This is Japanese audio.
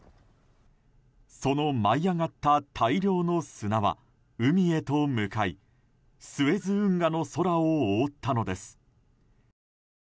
その舞い上がった大量の砂は海へと向かいスエズ運河の空を覆ったのです。